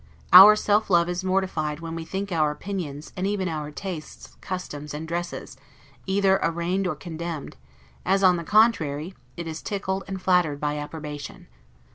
Our self love is mortified when we think our opinions, and even our tastes, customs, and dresses, either arraigned or condemned; as on the contrary, it is tickled and flattered by approbation.